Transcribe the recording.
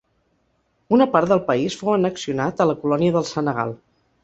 Una part del país fou annexionat a la colònia del Senegal.